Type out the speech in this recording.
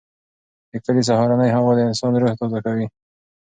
د کلي سهارنۍ هوا د انسان روح تازه کوي.